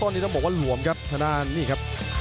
ตอนนี้ต้องบอกว่าหลวมครับทางด้านนี่ครับ